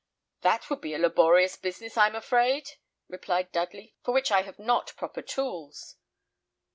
"That would be a laborious business, I'm afraid," replied Dudley, "for which I have not proper tools."